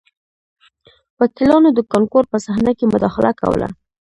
وکیلانو د کانکور په صحنه کې مداخله کوله